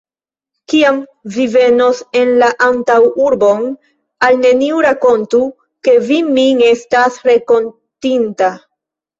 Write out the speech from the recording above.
Kiam vi venos en la antaŭurbon, al neniu rakontu, ke vi min estas renkontinta.